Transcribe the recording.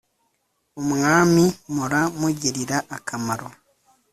Umwami mpora mugirira akamaro